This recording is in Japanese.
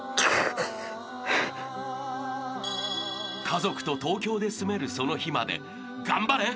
［家族と東京で住めるその日まで頑張れ！